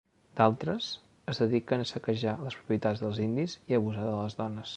D'altres, es dediquen a saquejar les propietats dels indis i abusar de les dones.